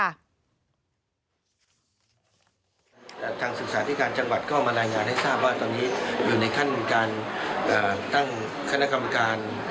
การศึกษาที่กาลจังหวัดก็มาไลน์งานให้ทราบว่าตอนนี้อยู่ในขั้นการตั้งคณะคำการ